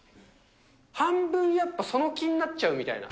半分やっぱ、その気になっちゃうみたいな。